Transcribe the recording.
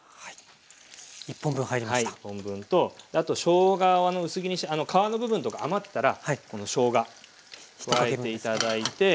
１本分とあとしょうがを薄切りにして皮の部分とか余ったらこのしょうが加えて頂いて。